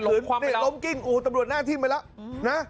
โอ้ยนี่ลงความไปแล้วล้มกิ้งโอ้โหตำรวจหน้าที่ไปแล้วนะ